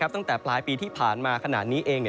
ตั้งแต่ปลายปีที่ผ่านมาขนาดนี้เอง